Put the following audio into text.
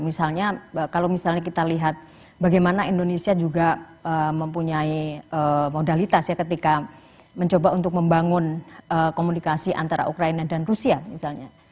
misalnya kalau misalnya kita lihat bagaimana indonesia juga mempunyai modalitas ya ketika mencoba untuk membangun komunikasi antara ukraina dan rusia misalnya